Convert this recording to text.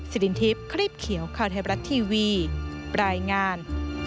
สิรินทริปคลิปเขียวข้าวไทยประทับทีวีปรายงาน